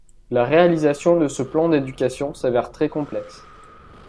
La réalisation de ce plan d’éducation s’avère très complexe.